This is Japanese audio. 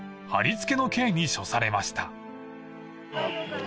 ［はりつけの刑に処されました］